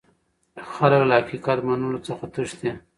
خلک له حقيقت منلو څخه تښتي.